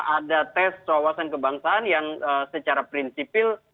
ada tes wawasan kebangsaan yang secara prinsipil